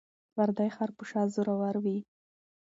ـ پردى خر په شا زور ور وي.